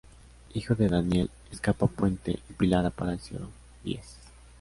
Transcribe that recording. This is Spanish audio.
Hijo de Daniel Escapa Puente y Pilar Aparicio Díez.